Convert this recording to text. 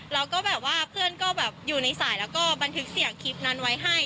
แล้วก็แบบว่าเพื่อนก็แบบอยู่ในสายแล้วก็บันทึกเสียงคลิปนั้นไว้ให้